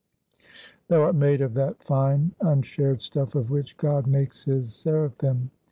"Thou art made of that fine, unshared stuff of which God makes his seraphim.